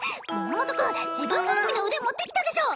源くん自分好みの腕持ってきたでしょ！